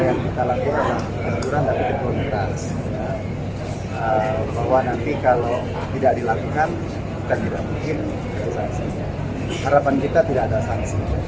yang kita inginkan adalah mereka melakukan suatu perbaikan